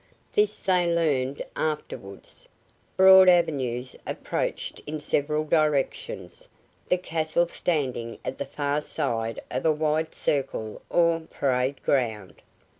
This they learned afterwards. Broad avenues approached in several directions, the castle standing at the far side of a wide circle or parade ground.